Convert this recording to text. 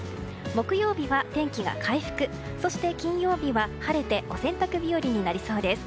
木曜日は天気が回復金曜日は晴れてお洗濯日和になりそうです。